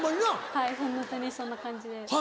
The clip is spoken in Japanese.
はいホントにそんな感じで。